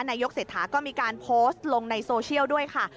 นายกเศรษฐาก็มีการโพสต์ลงในโซเชียลด้วยค่ะ